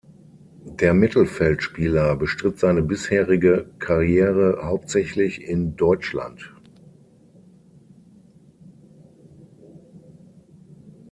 Der Mittelfeldspieler bestritt seine bisherige Karriere hauptsächlich in Deutschland.